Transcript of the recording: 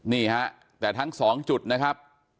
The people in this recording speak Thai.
นี่ฮะแหละทั้ง๒จุดนะครับ